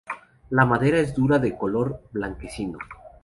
La madera es dura de color blanquecino.